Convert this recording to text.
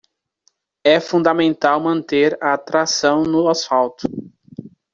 É fundamental manter a tração no asfalto.